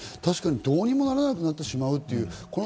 どうにもならなくなってしまうという。